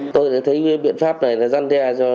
tôi thấy biện pháp này là gian đe